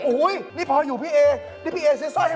หูยนี่พออยู่พี่เนธนี่พี่เนธเสื้อซ่อยให้ใหม่เหรอ